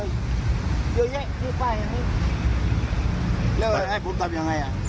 เยอะแยะอยู่ป้ายอย่างนี้แล้วให้ผมทำยังไงอ่ะ